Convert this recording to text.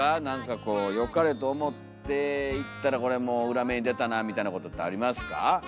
何かこうよかれと思って言ったらこれもう裏目に出たなあみたいなことってありますか？